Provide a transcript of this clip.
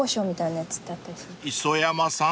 ［磯山さん？］